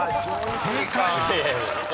［正解］